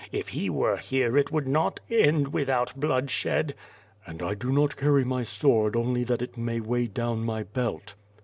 If he were here it would not end without bloodshed." "And I do not carry my sword only that it may weigh down my belt."